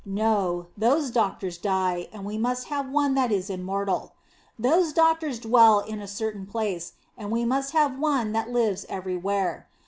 No, those doctors die, and we must have one that is immortal. Those doctors dwell in a certain place, and we must have one that lives every where.